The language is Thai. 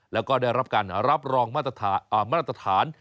แล้วก็ได้รับการรับรองมาตรฐาน